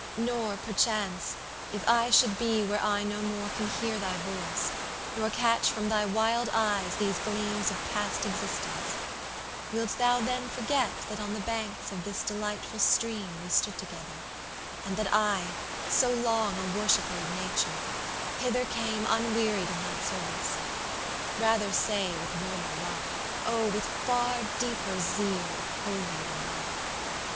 Nor, perchance– If I should be where I no more can hear Thy voice, nor catch from thy wild eyes these gleams Of past existence–wilt thou then forget That on the banks of this delightful stream 150 We stood together; and that I, so long A worshipper of Nature, hither came Unwearied in that service: rather say With warmer love–oh! with far deeper zeal Of holier love.